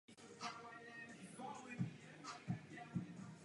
Sexuální obtěžování žen mělo být běžným jevem v prostředí této stanice.